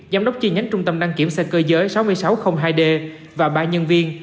giám đốc chi nhánh trung tâm đăng kiểm xe cơ giới sáu nghìn sáu trăm linh hai d và ba nhân viên